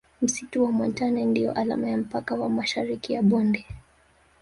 Misitu ya montane ndiyo alama ya mpaka wa Mashariki ya bonde